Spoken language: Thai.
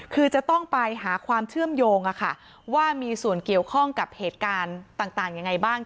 คือจะต้องไปหาความเชื่อมโยงว่ามีส่วนเกี่ยวข้องกับเหตุการณ์ต่างยังไงบ้าง